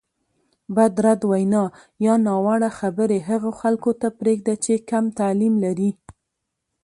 بدرد وینا یا ناوړه خبرې هغو خلکو ته پرېږده چې کم تعلیم لري.